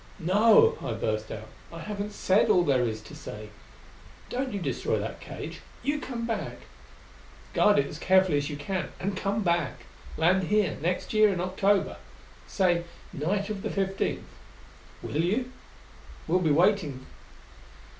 "No!" I burst out. "I haven't said all there is to say. Don't you destroy that cage! You come back! Guard it as carefully as you can, and come back. Land here, next year in October; say, night of the 15th. Will you? We'll be here waiting."